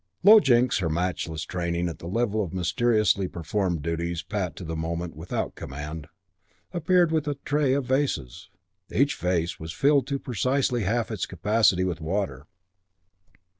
III Low Jinks, her matchless training at the level of mysteriously performed duties pat to the moment and without command, appeared with a tray of vases. Each vase was filled to precisely half its capacity with water.